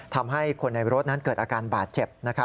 ทำให้คนในรถนั้นเกิดอาการบาดเจ็บ